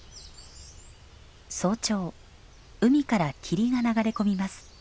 早朝海から霧が流れ込みます。